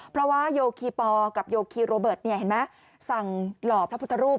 เพราะว่าโยคีปอลกับโยคีโรเบิร์ตเห็นไหมสั่งหล่อพระพุทธรูป